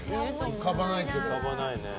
浮かばないけどな。